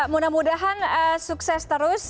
mudah mudahan sukses terus